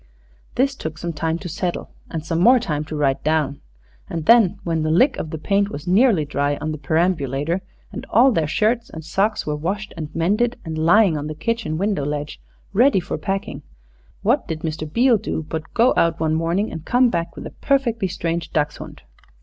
This took some time to settle, and some more time to write down. And then, when the lick of paint was nearly dry on the perambulator and all their shirts and socks were washed and mended, and lying on the kitchen window ledge ready for packing, what did Mr. Beale do but go out one morning and come back with a perfectly strange dachshund.